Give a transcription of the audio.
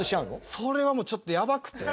それはもうちょっとやばくて。